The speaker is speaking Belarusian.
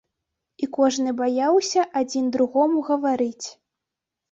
І кожны баяўся адзін другому гаварыць.